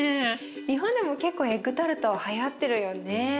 日本でも結構エッグタルトはやってるよね。